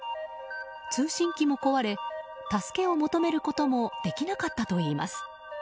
通信機も壊れ助けを求めることもできなかったといいます。